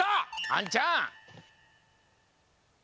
あんちゃん！